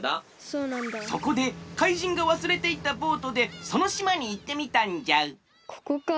そこで怪人がわすれていったボートでそのしまにいってみたんじゃここか。